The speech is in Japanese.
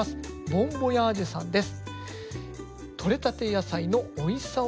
ボンボヤージュさんです。